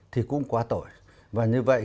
thì cũng quá tội và như vậy